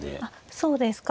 そうですか。